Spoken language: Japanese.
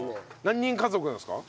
何人家族なんですか？